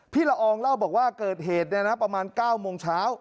ละอองเล่าบอกว่าเกิดเหตุประมาณ๙โมงเช้า